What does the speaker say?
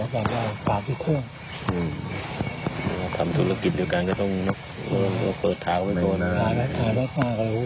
ทำธุรกิจเดียวกันก็ต้องเปิดเท้าไว้ตัวนะ